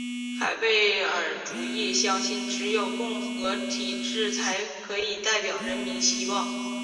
凯末尔主义相信只有共和体制才可以代表人民的希望。